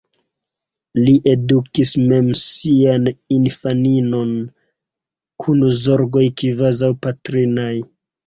Li edukis mem sian infaninon, kun zorgoj kvazaŭ patrinaj.